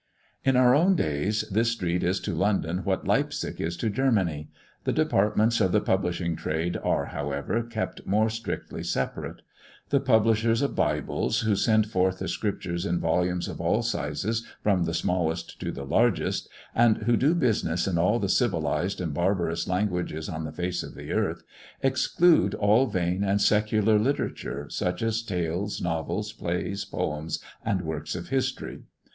In our own days this street is to London what Leipzig is to Germany. The departments of the publishing trade are, however, kept more strictly separate. The publishers of Bibles, who send forth the Scriptures in volumes of all sizes, from the smallest to the largest, and who do business in all the civilised and barbarous languages on the face of the earth, exclude all vain and secular literature, such as tales, novels, plays, poems, and works of history.